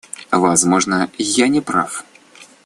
Возможно, я неправ.